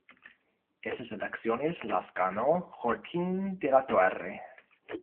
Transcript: Esas elecciones las ganó Joaquín de la Torre.